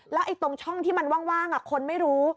แล้วตรงช่องที่มันว่างคนไม่รู้